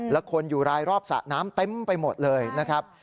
แล้วคนอยู่รายรอบสระน้ำเต็มไปหมดเลยนะครับ